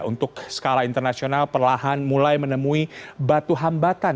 untuk skala internasional perlahan mulai menemui batu hambatan